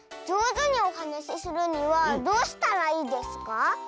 じょうずにおはなしするにはどうしたらいいですか？